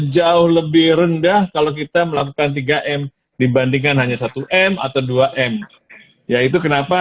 jauh lebih rendah kalau kita melakukan tiga m dibandingkan hanya satu m atau dua m yaitu kenapa